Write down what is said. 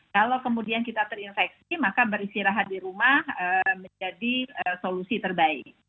kalau kemudian kita terinfeksi maka beristirahat di rumah menjadi solusi terbaik